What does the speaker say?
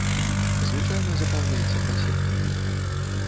Звычайна запаўняецца два сектары.